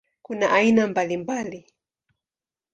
Kuna aina mbalimbali.